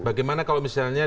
bagaimana kalau misalnya